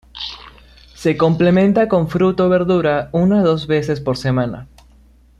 Se complementa con fruta o verdura una o dos veces por semana.